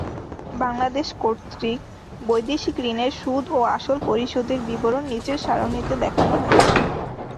বাংলাদেশ কর্তৃক বৈদেশিক ঋণের সুদ ও আসল পরিশোধের বিবরণ নিচের সারণীতে দেখানো হয়েছে।